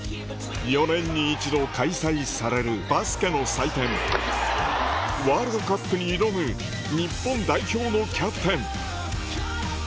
４年に１度開催されるバスケの祭典ワールドカップに挑む日本代表のキャプテン